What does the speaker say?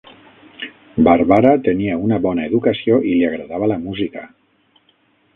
Barbara tenia una bona educació i li agradava la música.